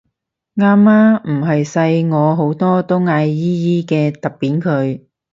啱啊唔係細我好多都嗌姨姨嘅揼扁佢